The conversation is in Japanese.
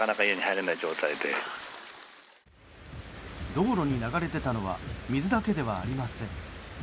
道路に流れ出たのは水だけではありません。